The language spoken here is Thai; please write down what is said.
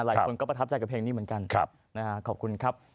หลายคนก็ประทับใจกับเพลงนี้เหมือนกันขอบคุณครับ